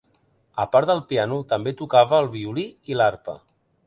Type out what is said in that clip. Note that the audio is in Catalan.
A part del piano, també tocava el violí i l'arpa.